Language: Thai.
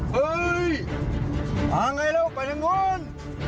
เฮ้ยมาไงแล้วไปทางนู้น